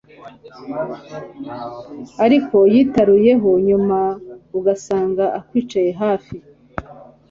ariko yitaruye ho, nyuma ugasanga akwicaye hafi